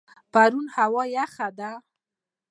پرون هوا یخه وه.